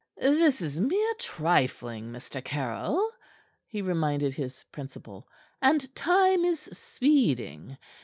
"This is mere trifling, Mr. Caryll," he reminded his principal, "and time is speeding.